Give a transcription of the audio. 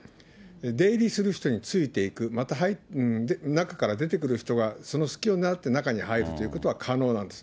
出入りする人についていく、また中から出てくる人がその隙を狙って中に入るということは可能なんです。